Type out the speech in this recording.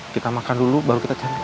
kita makan dulu baru kita cari